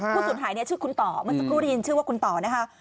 ผู้สุดหายชื่อคุณต่อเมื่อสักครู่ที่ยินชื่อว่าคุณต่อนะคะ